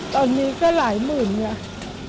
ตอนนี้ก็หลายหมื่นบาทค่ะ